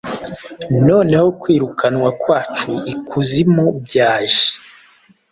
noneho kwirukanwa kwacu ikuzimu byaje